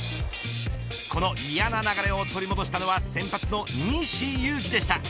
この嫌な流れを取り戻したのは先発の西勇輝でした。